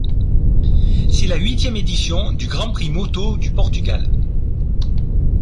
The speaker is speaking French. C'est la huitième édition du Grand Prix moto du Portugal.